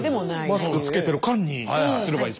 マスクをつけてる間にすればいい。